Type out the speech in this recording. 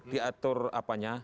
diatur apa nya